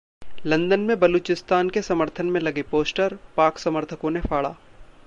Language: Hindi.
लंदन में बलूचिस्तान के समर्थन में लगे पोस्टर, Pak समर्थकों ने फाड़ा